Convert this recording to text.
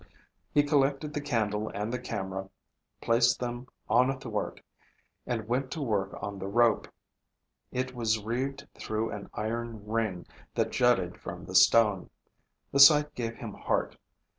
He collected the candle and the camera, placed them on a thwart, and went to work on the rope. It was reeved through an iron ring that jutted from the stone. The sight gave him heart.